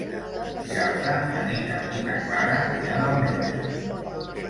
Dissabte na Nina i na Clara iran al metge.